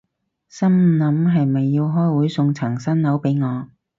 心諗係咪要開會送層新樓畀我